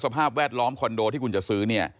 สภาพแวดล้อมคอนโดที่คุณจะซื้อ